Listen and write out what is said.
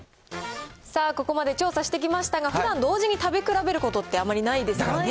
さあ、ここまで調査してきましたが、ふだん、同時に食べ比べることってあまりないですよね。